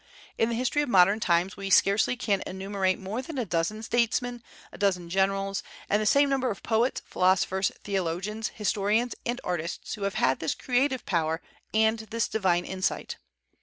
In the history of modern times we scarcely can enumerate more than a dozen statesmen, a dozen generals, and the same number of poets, philosophers, theologians, historians, and artists who have had this creative power and this divine insight.